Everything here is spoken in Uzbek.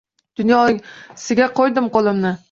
Dunyosiga qoʻydim qoʻlimni